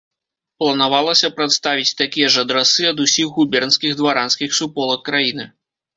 Планавалася прадставіць такія ж адрасы ад усіх губернскіх дваранскіх суполак краіны.